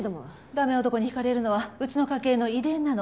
ダメ男に惹かれるのはうちの家系の遺伝なの。